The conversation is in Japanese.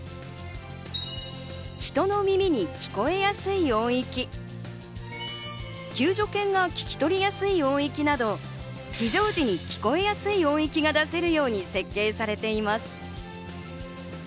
人の耳に聞こえやすい音域、救助犬が聞き取りやすい音域など非常時に聞こえやすい音域が出せるように設定されています。